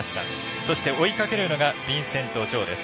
そして追いかけるのがビンセント・ジョウです。